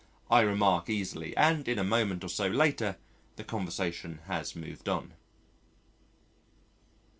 I remark easily and in a moment or so later the conversation has moved on.